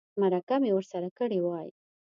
مرکه مې ورسره کړې وای.